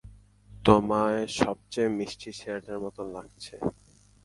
তোমায় সবচেয়ে মিষ্টি ছেলেটার মতো লাগছে।